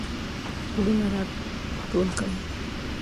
زړونه راټول کړئ.